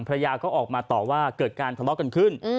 ภรรยาก็ออกมาต่อว่าเกิดการทะเลาะกันขึ้น